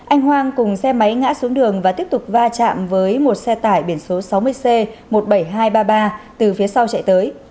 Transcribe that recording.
anh hoàng cùng xe máy ngã xuống đường và tiếp tục va chạm với một xe tải biển số sáu mươi c một mươi bảy nghìn hai trăm ba mươi ba từ phía sau chạy tới